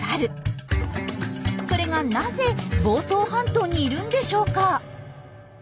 それがなぜ房総半島にいるんでしょうか？